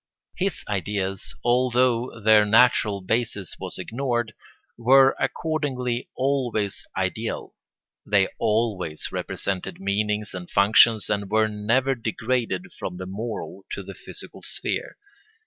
His ideas, although their natural basis was ignored, were accordingly always ideal; they always represented meanings and functions and were never degraded from the moral to the physical sphere.